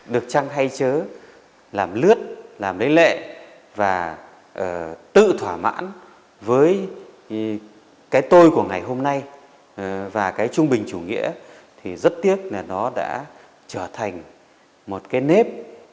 được trăng hay chớ làm lướt làm lấy lệ và tự thỏa mãn với cái tôi của ngày hôm nay và cái trung bình chủ nghĩa thì rất tiếc là nó đã trở thành một cái nếp